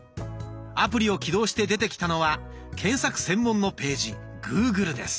アプリを起動して出てきたのは検索専門のページ「グーグル」です。